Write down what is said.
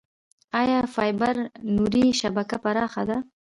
آیا فایبر نوري شبکه پراخه ده؟